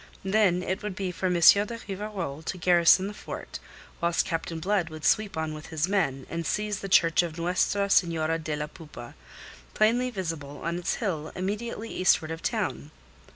Then it would be for M. de Rivarol to garrison the fort, whilst Captain Blood would sweep on with his men, and seize the Church of Nuestra Senora de la Poupa, plainly visible on its hill immediately eastward of the town.